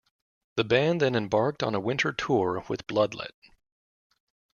The band then embarked on a winter tour with Bloodlet.